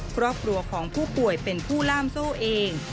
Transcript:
ครอบครัวของผู้ป่วยเป็นผู้ล่ามโซ่เอง